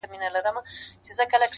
چي زاغان مي خوري ګلشن او غوټۍ ورو ورو!